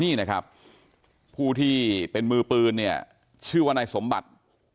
นี่นะครับผู้ที่เป็นมือปืนเนี่ยชื่อว่านายสมบัติ